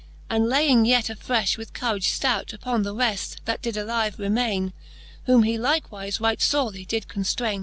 And laying yet afrefh with courage ftout Upon the reft, that did alive remaine ; Whom he likewife right forely did conftraine.